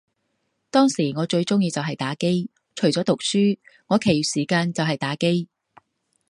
當時我最鍾意就係打機，除咗讀書，我其餘時間就係打機